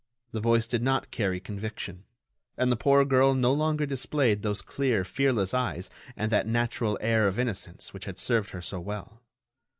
The voice did not carry conviction, and the poor girl no longer displayed those clear, fearless eyes and that natural air of innocence which had served her so well.